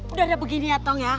udah ada begini ya tong ya